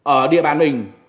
ở địa bàn mình